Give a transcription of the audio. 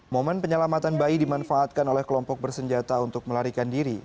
momen penyelamatan bayi dimanfaatkan oleh kelompok bersenjata untuk melarikan diri